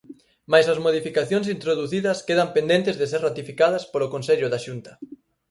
Mais as modificacións introducidas quedan pendentes de ser ratificadas polo Consello da Xunta.